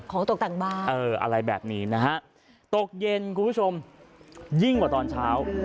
ตกแต่งบ้านเอออะไรแบบนี้นะฮะตกเย็นคุณผู้ชมยิ่งกว่าตอนเช้า